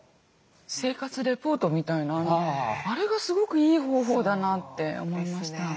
生活レポートみたいなあれがすごくいい方法だなって思いました。